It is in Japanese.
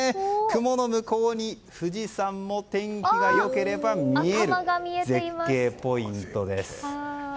雲の向こうに富士山も天気が良ければ見える絶景ポイントです。